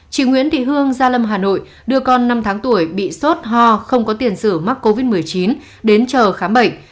chị nguyễn thị hương gia lâm hà nội đưa con năm tháng tuổi bị sốt ho không có tiền sử mắc covid một mươi chín đến chờ khám bệnh